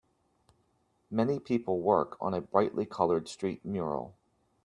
Many people work on a brightlycolored street mural.